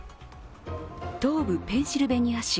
東部ペンシルベニア州